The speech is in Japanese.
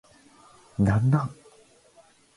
何なん